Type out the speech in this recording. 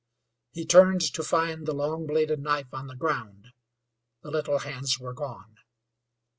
He turned to find the long bladed knife on the ground. The little hands were gone.